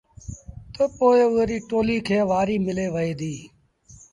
تا پو اُئي ريٚ ٽوليٚ کي وآريٚ ملي وهي ديٚ۔